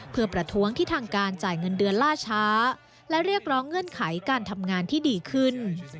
เพื่อประท้วงที่ทางการจ่ายเงินเดือนล่าช้าและเรียกร้องเงื่อนไขการทำงานที่ดีขึ้น